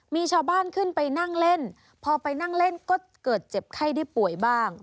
มีชาวบ้านขึ้นไปนั่งเล่นพอไปนั่งเล่นก็เกิดเจ็บไข้ได้ป่วยบ้าง